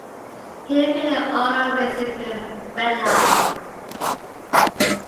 He appeared in the auto-racing film "Redline".